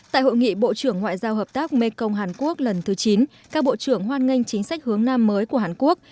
tại hội nghị bộ trưởng ngoại giao hợp tác mê công hàn quốc lần thứ chín các bộ trưởng hoan nghênh chính sách hướng nam mới của hàn quốc